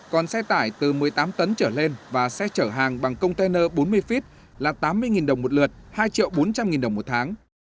còn xe tải từ một mươi tám tấn trở lên và xe chở hàng bằng container bốn mươi feet là tám mươi đồng một lượt hai bốn trăm linh đồng một tháng